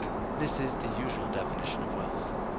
This is the usual definition of wealth.